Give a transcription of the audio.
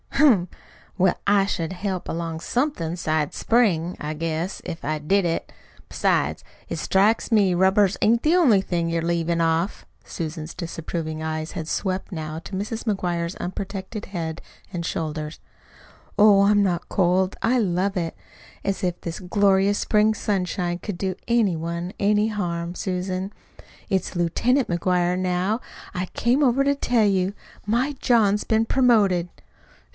"Humph! Well, I should help along somethin' 'sides spring, I guess, if I did it. Besides, it strikes me rubbers ain't the only thing you're leavin' off." Susan's disapproving eyes had swept now to Mrs. McGuire's unprotected head and shoulders. "Oh, I'm not cold. I love it. As if this glorious spring sunshine could do any one any harm! Susan, it's LIEUTENANT McGuire, now! I came over to tell you. My John's been promoted."